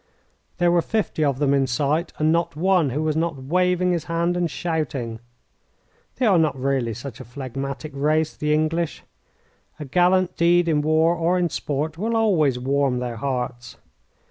There were fifty of them in sight, and not one who was not waving his hand and shouting. They are not really such a phlegmatic race, the English. A gallant deed in war or in sport will always warm their hearts.